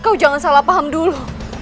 kau jangan salah paham dulu